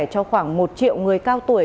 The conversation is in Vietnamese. cho khoảng một triệu người cao tuổi